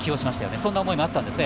そんな思いもあったんですね。